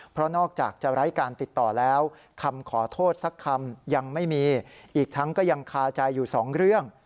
เพราะนอกจากจะไร้การติดต่อแล้วคำขอโทษสักคำยังไม่มีอีกทั้งก็ยังคาใจอยู่สองเรื่อง